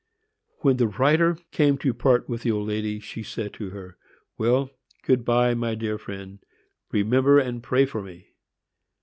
'" When the writer came to part with the old lady, she said to her: "Well, good by, my dear friend; remember and pray for me."